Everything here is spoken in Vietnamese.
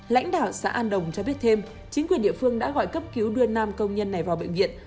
lãnh đạo xã an đồng cho biết thêm chính quyền địa phương đã gọi cấp cứu đưa nam công nhân này vào bệnh viện